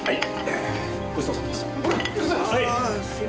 はい。